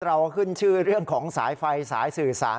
เราขึ้นชื่อเรื่องของสายไฟสายสื่อสาร